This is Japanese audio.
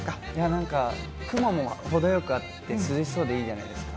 なんか雲も程よくあって、涼しそうでいいじゃないですか。